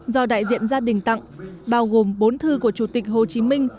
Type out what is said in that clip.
do đại diện gia đình tặng bao gồm bốn thư của chủ tịch hồ chí minh